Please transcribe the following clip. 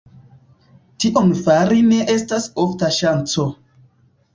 Tion fari ne estas ofta ŝanco.